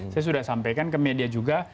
saya sudah sampaikan ke media juga